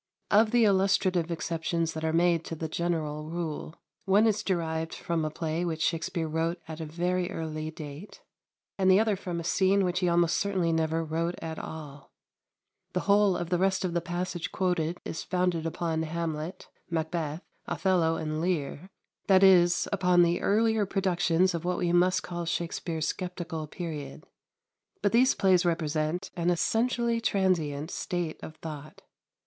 Of the illustrative exceptions that are made to the general rule, one is derived from a play which Shakspere wrote at a very early date, and the other from a scene which he almost certainly never wrote at all; the whole of the rest of the passage quoted is founded upon "Hamlet," "Macbeth," "Othello," and "Lear" that is, upon the earlier productions of what we must call Shakspere's sceptical period. But these plays represent an essentially transient state of thought.